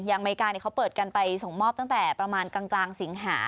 อเมริกาเขาเปิดกันไปส่งมอบตั้งแต่ประมาณกลางสิงหา